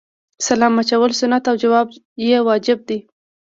سلام اچول سنت او جواب یې واجب دی